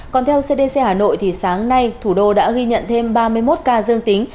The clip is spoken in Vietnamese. còn theo cdc hà nội thì sáng nay thủ đô đã ghi nhận thêm ba mươi một ca dương tính